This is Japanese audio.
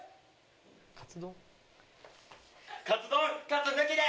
カツ丼カツ抜きで！